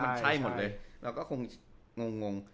มันใช่หมดเลยแล้วก็คงงง